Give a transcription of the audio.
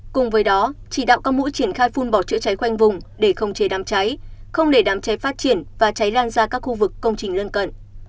cùng với đó chỉ đạo các mũi triển khai phun bỏ chữa cháy khoanh vùng để không chế đám cháy không để đám cháy phát triển và cháy lan ra các khu vực công trình lân cận